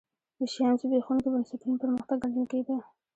د شیام زبېښونکي بنسټونه پرمختګ ګڼل کېده.